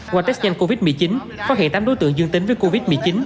qua test nhanh covid một mươi chín phát hiện tám đối tượng dương tính với covid một mươi chín